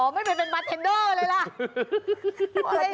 ไม่ไปเป็นบาร์เทนเดอร์เลยล่ะ